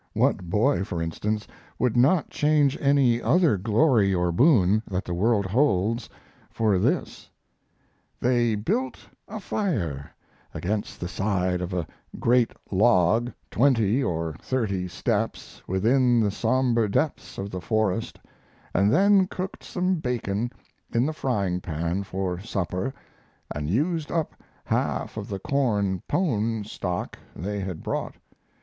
What boy, for instance, would not change any other glory or boon that the world holds for this: They built a fire against the side of a great log twenty or thirty steps within the somber depths of the forest, and then cooked some bacon in the frying pan for supper, and used up half of the corn "pone" stock they had brought.